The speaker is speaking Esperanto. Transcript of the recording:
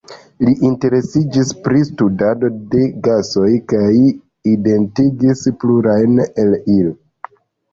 Li interesiĝis pri studado de gasoj kaj identigis plurajn el ili.